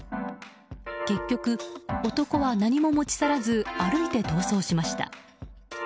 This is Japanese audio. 結局、男は何も持ち去らず歩いて逃走しました。